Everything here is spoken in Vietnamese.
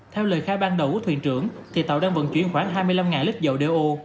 theo lời khai ban đầu của thuyền trưởng tàu đang vận chuyển khoảng hai mươi năm lít dầu đeo